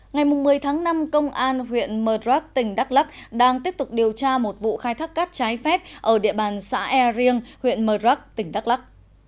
ngày một mươi tháng năm công an huyện murdrock tỉnh đắk lắc đang tiếp tục điều tra một vụ khai thác cát trái phép ở địa bàn xã e riêng huyện murdrock tỉnh đắk lắc